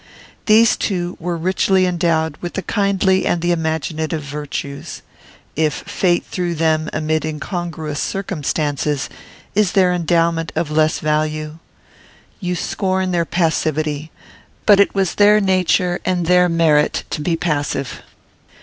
These two were richly endowed with the kindly and the imaginative virtues; if fate threw them amid incongruous circumstances, is their endowment of less value? You scorn their passivity; but it was their nature and their merit to be passive.